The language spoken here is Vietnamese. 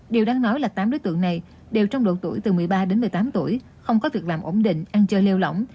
điều đáng nói là tám đối tượng này đều trong độ tuổi từ một mươi ba đến một mươi tám tuổi không có việc làm ổn định ăn chơi lêu lỏng